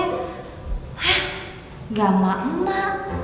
hah gak emak emak